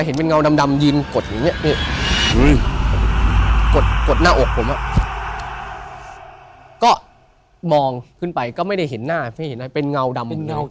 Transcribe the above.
เป็นเงาดำเป็นเงาเฉย